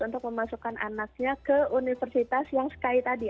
untuk memasukkan anaknya ke universitas yang sky tadi